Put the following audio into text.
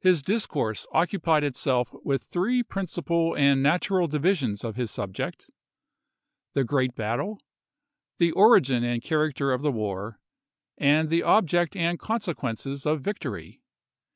His discourse bur?, Nov. 1! 192 ABRAHAM LINCOLN Chap. VII. occupied itself with three principal and natural divisions of his subject: the great battle, the origin and character of the war, and the object and consequences of victory.